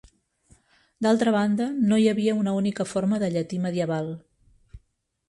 D'altra banda, no hi havia una única forma de llatí medieval.